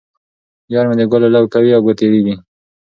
یار مې د ګلو لو کوي او ګوتې رېبي.